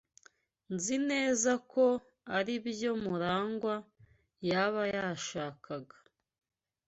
Nzi neza ko aribyo Murangwa yaba yashakaga.